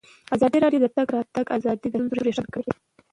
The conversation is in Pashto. ازادي راډیو د د تګ راتګ ازادي د ستونزو رېښه بیان کړې.